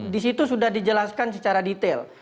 di situ sudah dijelaskan secara detail